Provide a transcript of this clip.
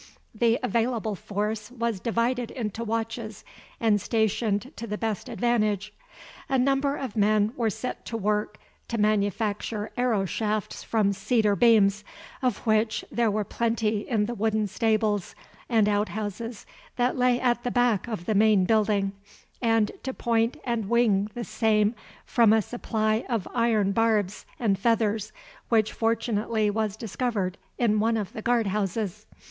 The available force was divided into watches and stationed to the best advantage. A number of men were set to work to manufacture arrow shafts from cedar beams, of which there were plenty in the wooden stables and outhouses that lay at the back of the main building, and to point and wing the same from a supply of iron barbs and feathers which fortunately was discovered in one of the guard houses.